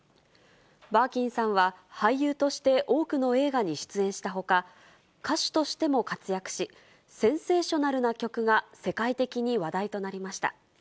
バーキンさんは俳優として多くの映画に出演したほか、歌手としても活躍し、センセーショナルな曲が世界的に話題となりました。